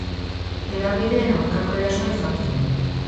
Hedabideen aurkako erasoa izan zen.